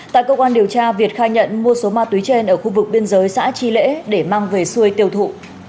tại công an điều tra việt khai nhận mua số ma túy trên ở khu vực biên giới xã chi lễ để mang về xuôi tiêu thụ